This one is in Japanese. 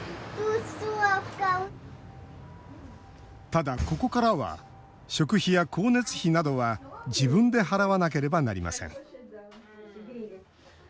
ただ、ここからは食費や光熱費などは自分で払わなければなりません。